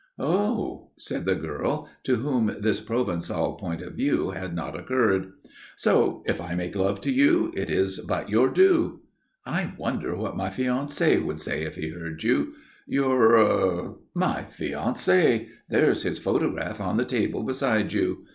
"Oh!" said the girl, to whom this Provençal point of view had not occurred. "So, if I make love to you, it is but your due." "I wonder what my fiancé would say if he heard you?" "Your ?" "My fiancé! There's his photograph on the table beside you.